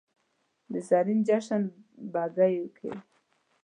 د زرین جشن بګۍ کې